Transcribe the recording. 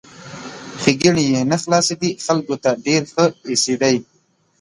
ښېګڼې یې نه خلاصېدې ، خلکو ته ډېر ښه ایسېدی!